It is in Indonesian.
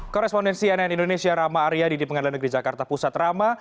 korespondensi nn indonesia rama aryadi di pengadilan negeri jakarta pusat rama